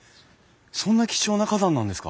そんな貴重な花壇なんですか？